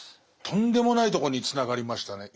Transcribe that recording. とんでもないとこにつながりましたね。